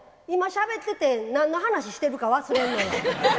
今しゃべってて何の話してるか忘れんのよ。